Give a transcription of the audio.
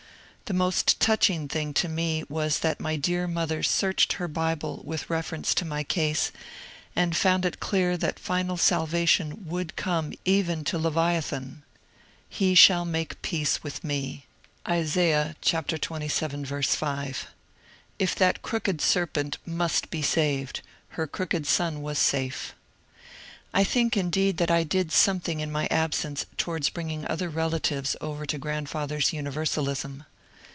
The most touching thing to me was that my dear mother searched her Bible with reference to my case, and found it clear that final salvation would come even to Levia than :^^ he shall make peace with me " (Isa. xxvii, 5). If that ^^ crooked serpent *' must be saved, her crooked son was safe ! I think indeed that I did something in my absence towards bringing other relatives over to grandfather's Universalism.